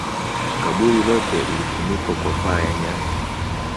Kaburi lote lilifunikwa kwa paa ya nyasi